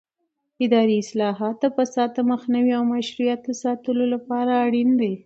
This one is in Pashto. اداري اصلاحات د فساد د مخنیوي او مشروعیت د ساتلو لپاره اړین دي